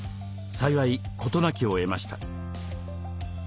幸い事なきを得ました。